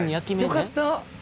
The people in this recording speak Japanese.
よかった！